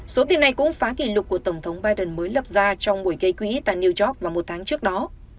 số tiền này cũng phá kỷ lục của tổng thống biden mới lập ra trong buổi gây quỹ tại new york vào một tháng trước đó